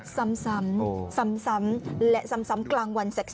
ซ้ำซ้ำและซ้ำกลางวันแสก